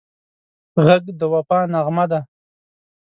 غږ د وفا نغمه ده